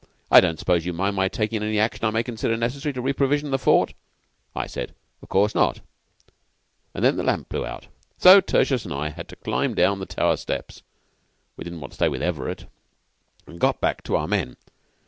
I don't suppose you mind my taking any action I may consider necessary to reprovision the fort?' I said, 'Of course not,' and then the lamp blew out. So Tertius and I had to climb down the tower steps (we didn't want to stay with Everett) and got back to our men.